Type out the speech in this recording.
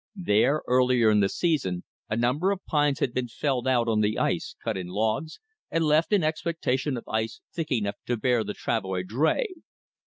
There, earlier in the season, a number of pines had been felled out on the ice, cut in logs, and left in expectation of ice thick enough to bear the travoy "dray."